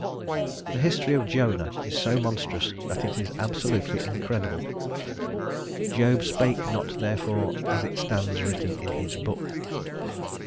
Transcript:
"The history of Jonah is so monstrous that it is absolutely incredible." "Job spake not therefore as it stands written in his book."